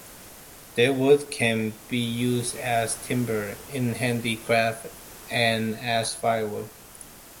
Their wood can be used as timber, in handicraft and as firewood.